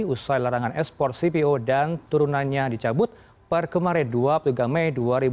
usai larangan ekspor cpo dan turunannya dicabut per kemarin dua puluh tiga mei dua ribu dua puluh